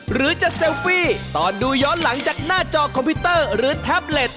หรือจะเซลฟี่ตอนดูย้อนหลังจากหน้าจอคอมพิวเตอร์หรือแท็บเล็ต